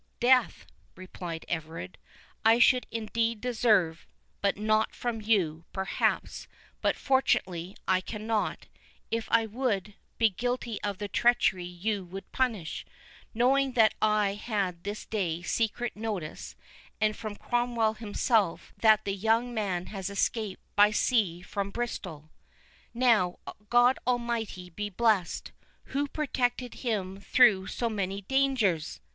"Death," replied Everard, "I should indeed deserve, but not from you, perhaps; but fortunately, I cannot, if I would, be guilty of the treachery you would punish. Know that I had this day secret notice, and from Cromwell himself, that the young Man has escaped by sea from Bristol." "Now, God Almighty be blessed, who protected him through so many dangers!"